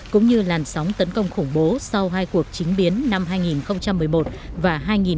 cũng như làn sóng tấn công khủng bố sau hai cuộc chính biến năm hai nghìn một mươi một và hai nghìn một mươi bảy